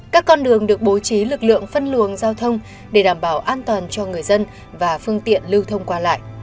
các con đường được bố trí lực lượng phân luồng giao thông để đảm bảo an toàn cho người dân và phương tiện lưu thông qua lại